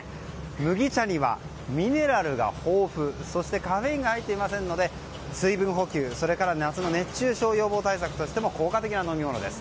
麦茶にはミネラルが豊富そしてカフェインが入っていませんので水分補給夏の熱中症予防対策としても効果的な飲み物です。